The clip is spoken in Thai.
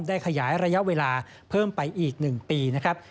ขยายระยะเวลาเพิ่มไปอีก๑ปีนะครับ